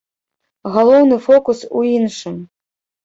Галоўны фокус у іншым.